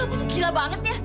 tadi kamu tuh gila banget ya